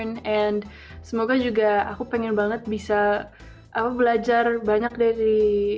dan semoga juga aku pengen banget bisa belajar banyak dari